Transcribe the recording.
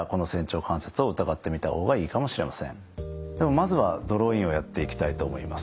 まずはドローインをやっていきたいと思います。